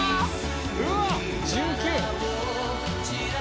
うわっ１９？